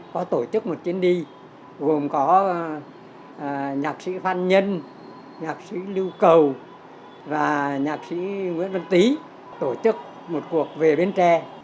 có tổ chức một chuyến đi gồm có nhạc sĩ phan nhân nhạc sĩ lưu cầu và nhạc sĩ nguyễn văn tý tổ chức một cuộc về bến tre